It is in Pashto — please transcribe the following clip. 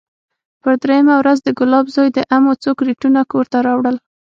پر درېيمه ورځ د ګلاب زوى د امو څو کرېټونه کور ته راوړل.